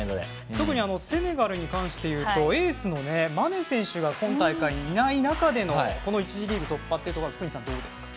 セネガルに関していうとエースのマネ選手が今大会、いない中での１次リーグ突破というところは福西さん、どうですか。